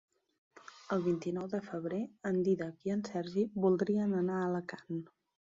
El vint-i-nou de febrer en Dídac i en Sergi voldrien anar a Alacant.